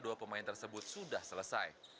dua pemain tersebut sudah selesai